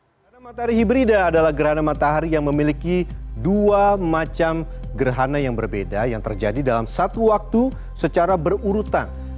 gerhana matahari hibrida adalah gerhana matahari yang memiliki dua macam gerhana yang berbeda yang terjadi dalam satu waktu secara berurutan